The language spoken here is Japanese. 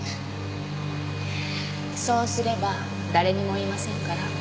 そうすれば誰にも言いませんから。